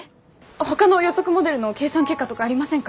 ほかの予測モデルの計算結果とかありませんか？